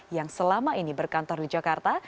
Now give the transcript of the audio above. yang selama ini berkantor di jakarta